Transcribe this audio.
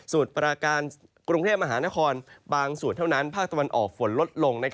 ปราการกรุงเทพมหานครบางส่วนเท่านั้นภาคตะวันออกฝนลดลง